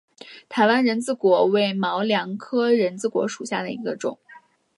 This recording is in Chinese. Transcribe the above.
台湾人字果为毛茛科人字果属下的一个种。